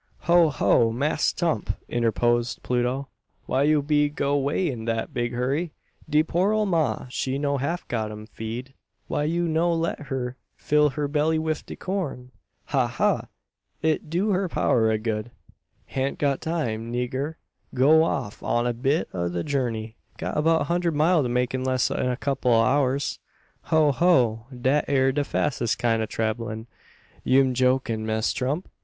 "Ho! ho! Mass' Tump!" interposed Pluto. "Why you be go 'way in dat big hurry? De poor ole ma' she no half got u'm feed. Why you no let her fill her belly wif de corn? Ha! ha! It do her power o' good." "Han't got time, nigger. Goin' off on a bit o' a jurney. Got abeout a hunderd mile to make in less 'an a kupple o' hours." "Ho! ho! Dat ere de fassest kind o' trabbelin'. You 'm jokin', Mass' Tump?"